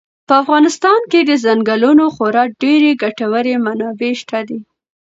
په افغانستان کې د ځنګلونو خورا ډېرې ګټورې منابع شته دي.